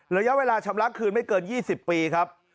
ระยะเวลาชำระคืนไม่เกิน๒๐ปีครับ